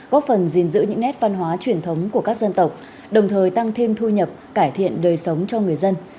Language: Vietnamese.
góp phần gìn giữ những nét văn hóa truyền thống của các dân tộc đồng thời tăng thêm thu nhập cải thiện đời sống cho người dân